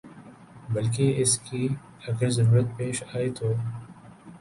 بلکہ اس کی اگر ضرورت پیش آئے تو